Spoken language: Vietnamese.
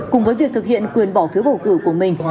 cùng với việc thực hiện quyền bỏ phiếu bầu cử của mình